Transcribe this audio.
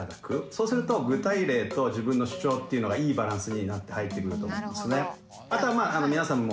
そうすると具体例と自分の主張っていうのがいいバランスになって入ってくると思うんですね。